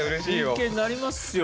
真剣になりますよ